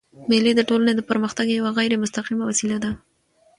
مېلې د ټولني د پرمختګ یوه غیري مستقیمه وسیله ده.